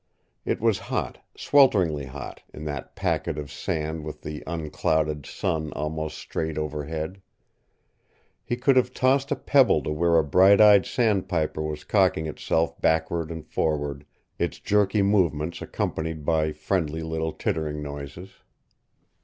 It was hot, swelteringly hot, in that packet of sand with the unclouded sun almost straight overhead. He could have tossed a pebble to where a bright eyed sandpiper was cocking itself backward and forward, its jerky movements accompanied by friendly little tittering noises.